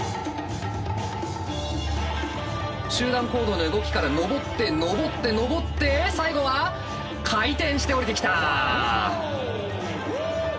集団行動の動きから登って登って登って最後は回転して降りてきた。